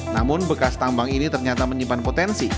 namun bekas tambang ini ternyata menyimpan potensi